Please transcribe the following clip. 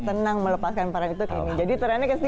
tenang melepaskan para itu ke sini jadi terennya ke sini